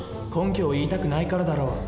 根拠を言いたくないからだろ。